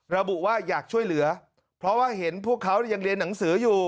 ระบุว่าอยากช่วยเหลือเพราะว่าเห็นพวกเขายังเรียนหนังสืออยู่